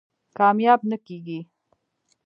کامیاب نه کېږي.